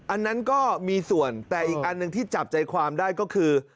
อันนั้นก็มีส่วนแต่อีกอันหนึ่งที่จับใจความได้ก็คือ